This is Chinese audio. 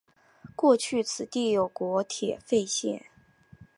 过去此地有国铁废线。